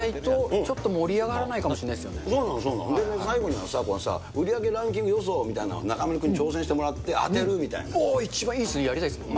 それなりに種類とかも多くないと、ちょっと盛り上がらないかもしれそうなの、そうなの、最後には売り上げランキング予想みたいなのを中丸君に挑戦してもらって、おー、一番いいですね、やりたいっすよね。